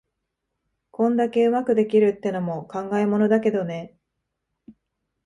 こんだけ上手くできるってのも考えものだけどね。